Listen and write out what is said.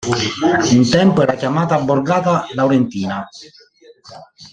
Un tempo era chiamata "Borgata Laurentina.